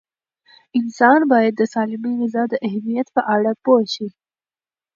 انسان باید د سالمې غذا د اهمیت په اړه پوه شي.